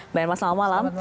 mbak irma selamat malam